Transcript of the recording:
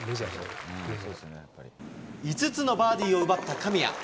５つのバーディーを奪った神谷。